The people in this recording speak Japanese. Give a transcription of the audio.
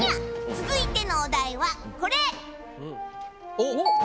続いてのお題は、これ！